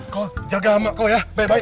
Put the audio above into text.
kau jaga emak kau ya baik baik